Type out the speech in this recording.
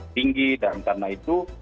tinggi dan karena itu